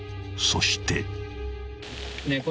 そして］